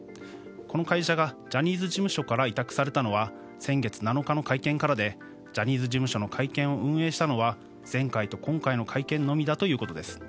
この会社がジャニーズ事務所から委託されたのは先月７日の会見からでジャニーズ事務所の会見を運営したのは前回と今回の会見のみだということです。